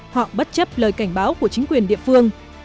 họ bất chấp lời cảnh báo của chính quyền